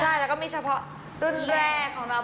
ใช่แล้วก็มีเฉพาะรุ่นแรกของเรา